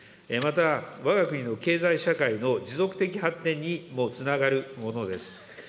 また、わが国の経済社会の持続的発展にもつながるものです。